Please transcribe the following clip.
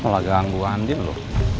malah ganggu andin lu